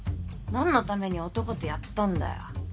何のために男とやったんだよ。